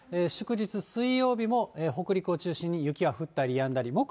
祝日、水曜日も北陸を中心に雪が降ったりやんだり。